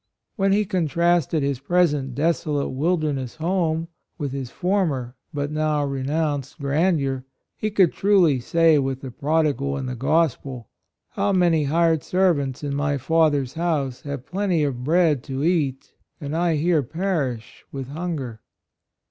When he contrasted his present desolate wilderness home with his former but now renounced gran deur, he could truly say with the prodigal in the gospel, " How many hired servants in my father's house have plenty of bread to eat and I here perish with hunger."